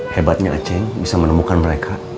hebatnya aceh bisa menemukan mereka